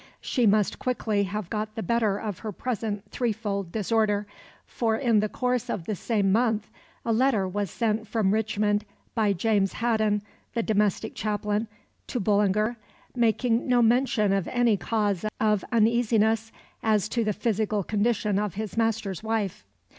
She must quickly have got the better of her present threefold disorder, for in the course of the same month a letter was sent from Richmond by James Haddon, the domestic chaplain, to Bullinger, making no mention of any cause of uneasiness as to the physical condition of his master's wife.